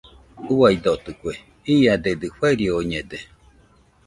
Uaidotɨkue, iadedɨ fairioñede.